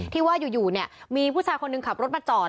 ที่ว่าอยู่เนี่ยมีผู้ชายคนหนึ่งขับรถมาจอด